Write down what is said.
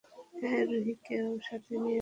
হ্যাঁ -রুহিকেও সাথে নিয়ে এসো।